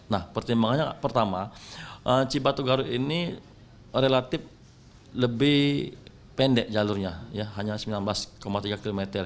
nah pertimbangannya pertama cibatu garut ini relatif lebih pendek jalurnya hanya sembilan belas tiga km